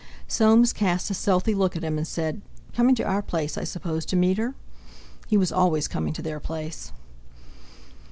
Soames cast a stealthy look at him, and said: "Coming to our place, I suppose to meet her?" He was always coming to their place!